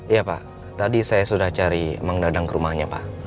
iya pak tadi saya sudah cari menggadang ke rumahnya pak